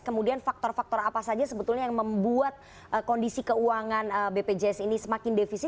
kemudian faktor faktor apa saja sebetulnya yang membuat kondisi keuangan bpjs ini semakin defisit